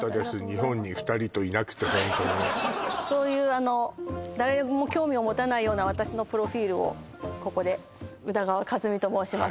日本に二人といなくてホントにそういう誰も興味をもたないような私のプロフィールをここで宇田川一美と申します